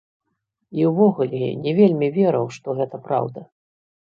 І ўвогуле не вельмі верыў, што гэта праўда.